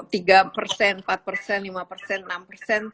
tiga persen empat persen lima persen enam persen